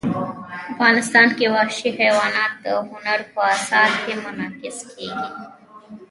افغانستان کې وحشي حیوانات د هنر په اثار کې منعکس کېږي.